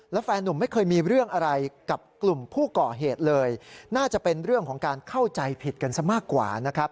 แล้วแฟนนุ่มไม่เคยมีเรื่องอะไรกับกลุ่มผู้ก่อเหตุเลยน่าจะเป็นเรื่องของการเข้าใจผิดกันซะมากกว่านะครับ